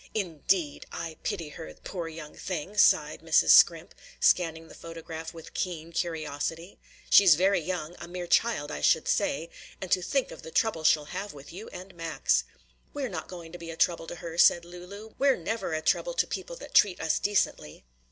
"Indeed! I pity her, poor young thing!" sighed Mrs. Scrimp, scanning the photograph with keen curiosity. "She's very young a mere child I should say and to think of the trouble she'll have with you and Max!" "We're not going to be a trouble to her," said Lulu, "we're never a trouble to people that treat us decently."